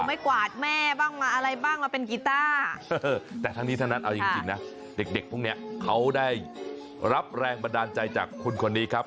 ไม่กวาดแม่บ้างมาอะไรบ้างมาเป็นกีต้าแต่ทั้งนี้ทั้งนั้นเอาจริงนะเด็กพวกนี้เขาได้รับแรงบันดาลใจจากคุณคนนี้ครับ